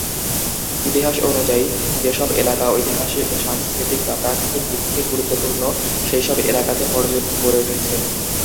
ইতিহাস অনুযায়ী, যে সব এলাকা ঐতিহাসিক, সাংস্কৃতিক বা প্রাকৃতিক দিক থেকে গুরুত্বপূর্ণ, সেই সব এলাকাতে পর্যটন গড়ে উঠেছে।